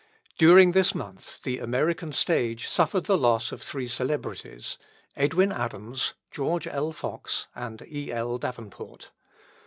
During this month the American Stage suffered the loss of three celebrities: Edwin Adams, George L. Fox, and E.L. Davenport.